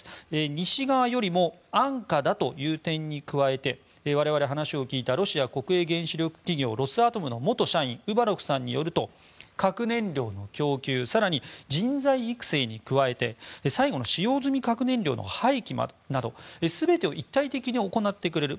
西側よりも安価だという点に加えて我々、話を聞いたロシア国営原子力企業ロスアトムの元社員ウバロフさんによると核燃料の供給更に人材育成に加えて最後の使用済み核燃料の廃棄など全てを一体的に行ってくれる。